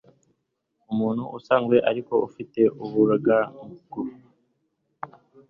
umuntu usanzwe ariko ufite umugaragu